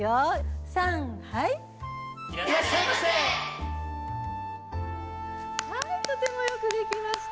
はいとてもよくできました！